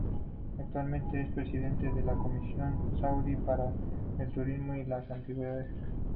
Actualmente es presidente de la Comisión Saudí para el Turismo y las Antigüedades.